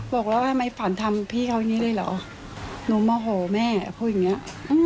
บอกแล้วทำไมฝันทำพี่เขาอย่างนี้เลยเหรอหนูโมโหแม่พูดอย่างเงี้ย